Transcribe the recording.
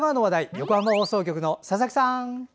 横浜放送局の佐々木さん。